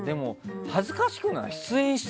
恥ずかしくない？